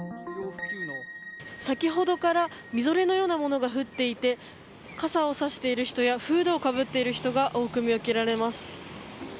先ほどからみぞれのようなものが降っていて、傘をさしている人やフードをかぶっている人が多く見受けられます。